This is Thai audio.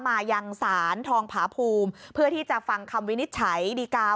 มายังศาลทองผาภูมิเพื่อที่จะฟังคำวินิจฉัยดีกา